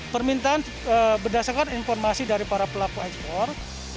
permintaan berdasarkan informasi dari para pelaku ekspor